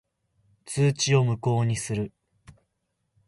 通知を無効にする。